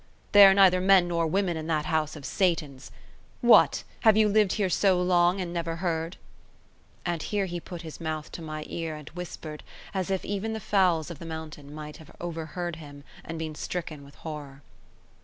There are neither men nor women in that house of Satan's! What? have you lived here so long, and never heard?" And here he put his mouth to my ear and whispered, as if even the fowls of the mountain might have over heard and been stricken with horror.